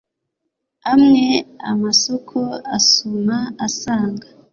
amwe amasoko asuma asanga.